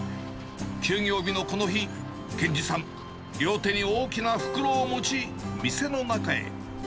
休業日のこの日、健次さん、両手に大きな袋を持ち、店の中へ。